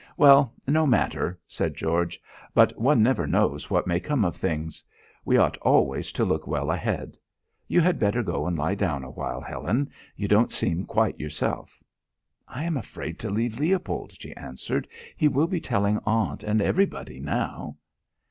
"Well, no matter," said George. "But one never knows what may come of things. We ought always to look well ahead. You had better go and lie down awhile, Helen; you don't seem quite yourself." "I am afraid to leave Leopold," she answered. "He will be telling aunt and everybody now."